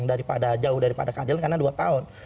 daripada jauh daripada keadilan karena dua tahun